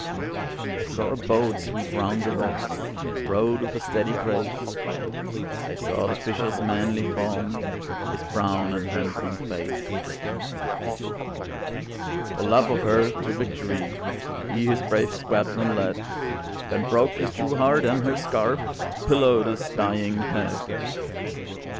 I saw a boat sweep round the rock, Rowed with a steady grace; I saw the fisher's manly form, His brown and handsome face. "For love of her, to victory He his brave squadron led, Then broke his true heart, and her scarf Pillowed his dying head.